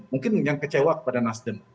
mungkin yang kecewa kepada nasdem